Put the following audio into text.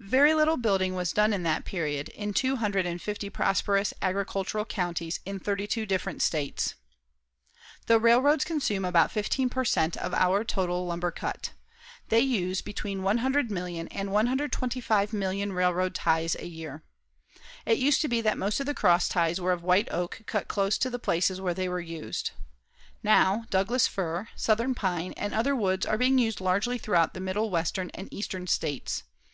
Very little building was done in that period in two hundred and fifty prosperous agricultural counties in thirty two different states. The railroads consume about 15 per cent. of our total lumber cut. They use between 100,000,000 and 125,000,000 railroad ties a year. It used to be that most of the cross ties were of white oak cut close to the places where they were used. Now Douglas fir, southern pine and other woods are being used largely throughout the Middle Western and Eastern States.